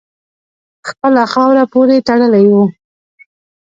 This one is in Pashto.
خپله خاوره پوري تړلی وو.